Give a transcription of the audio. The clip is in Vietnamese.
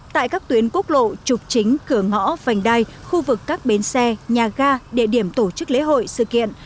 tại các tuyến quốc lộ trục chính cửa ngõ vành đai khu vực các bến xe nhà ga địa điểm tổ chức lễ hội sự kiện